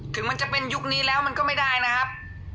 ถึงมันจะเป็นยุคนี้แล้วมันก็ไม่ได้นะครับ